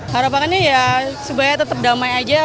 harapannya ya sebaiknya tetap damai saja